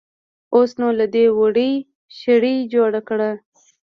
اوس نو له دې وړۍ شړۍ جوړه کړه.